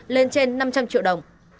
lên trên năm trăm linh triệu đồng